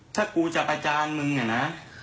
ถ้ากูจะประจานมึงเนี่ยนะ